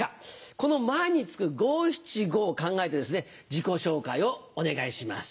この前につく五・七・五を考えて自己紹介をお願いします。